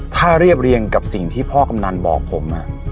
ถ้าเรียบเรียงกับสิ่งที่พ่อกำนันบอกผม